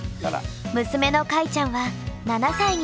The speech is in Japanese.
娘のかいちゃんは７歳になりました。